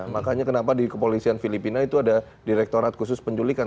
makanya kenapa di kepolisian filipina itu ada direktorat khusus penculikan